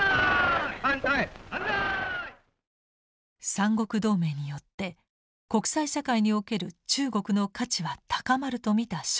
三国同盟によって国際社会における中国の価値は高まると見た介石。